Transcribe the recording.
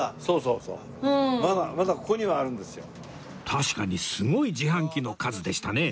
確かにすごい自販機の数でしたね